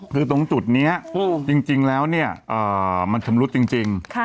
คือตรงจุดนี้จริงแล้วเนี่ยมันชำรุดจริง